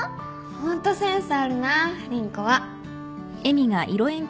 ホントセンスあるな凛子は